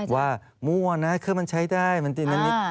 ว่ามั่วนะเครื่องมันใช้ได้มันติดนัดนิด